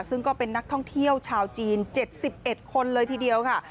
ซึ่งก็เป็นนักท่องเที่ยวชาวจีน๗๑คนเลยทีเดียวค่ะ